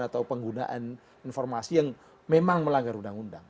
atau penggunaan informasi yang memang melanggar undang undang